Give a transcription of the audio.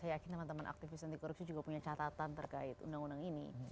saya yakin teman teman aktivis anti korupsi juga punya catatan terkait undang undang ini